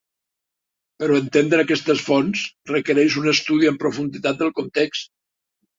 Però entendre aquestes fonts requereix un estudi amb profunditat del context.